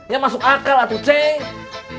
ya masuk akal atuh ceng